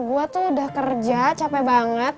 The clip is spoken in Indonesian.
gue tuh udah kerja capek banget